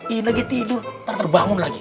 inegi tidur ntar terbangun lagi